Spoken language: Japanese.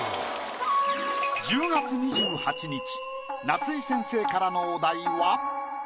夏井先生からのお題は。